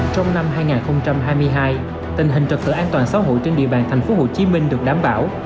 trong năm hai nghìn hai mươi hai tình hình trật tự an toàn xã hội trên địa bàn tp hcm được đảm bảo